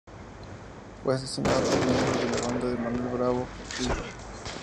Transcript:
Fue asesinado por miembros de la banda de Manuel Bravo Portillo.